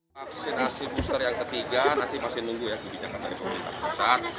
vaksinasi booster yang ketiga nanti pasti nunggu ya dibicarakan dari komunikasi pusat